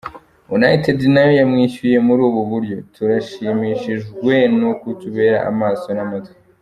United nayo yamwishuye muri ubu buryo: "Turashimishijwe n'ukutubera amaso n'amatwi.